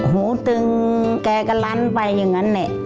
หูตึ้งแก่ก็ลั้นไปอย่างนั้น